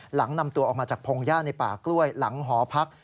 หลังนำตัวออกมาจากพงหญ้าในป่ากล้วยหลังหอพัก